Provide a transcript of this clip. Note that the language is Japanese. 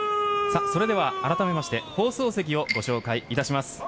それではあらためまして放送席をご紹介いたします。